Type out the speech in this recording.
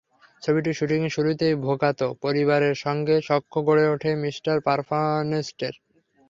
ছবিটি শুটিংয়ের শুরুতেই ভোগাত পরিবারের সঙ্গে সখ্য গড়ে ওঠে মিস্টার পারফেকশনিস্টের।